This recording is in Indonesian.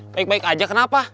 baik baik aja kenapa